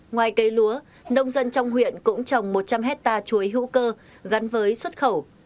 ngoài cây lúa nông dân trong huyện cũng trồng một trăm linh hectare chuối hữu cơ gắn với xuất khẩu